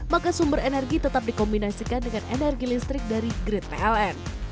maka sumber energi tetap dikombinasikan dengan energi listrik dari grid pln